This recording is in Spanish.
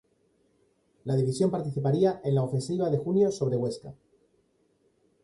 La división participaría en la ofensiva de junio sobre Huesca.